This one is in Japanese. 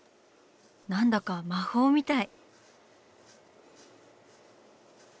何だか魔法みたい。